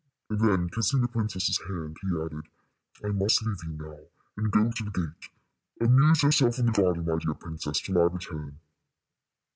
Then, kissing the princess's hand, he added: "I must leave you now and go to the gate. Amuse yourself in the garden, my dear princess, till I return."